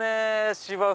芝生。